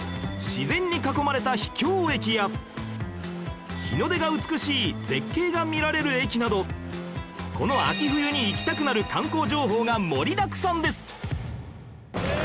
自然に囲まれた秘境駅や日の出が美しい絶景が見られる駅などこの秋冬に行きたくなる観光情報が盛りだくさんです